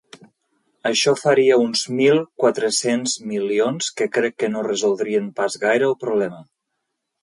Això faria uns mil quatre-cents milions que crec que no resoldrien pas gaire el problema.